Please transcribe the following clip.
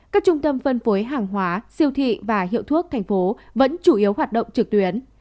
các trung tâm phân phối hàng hóa siêu thị và hiệu thuốc thành phố vẫn chủ yếu hoạt động trực tuyến